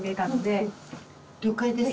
了解です。